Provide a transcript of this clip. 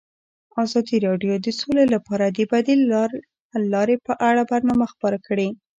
ازادي راډیو د سوله لپاره د بدیل حل لارې په اړه برنامه خپاره کړې.